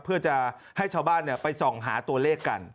เพื่อจะให้ชาวบ้านไปส่องหาตัวเลขกัน